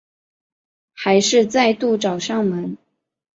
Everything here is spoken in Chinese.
还是再度找上门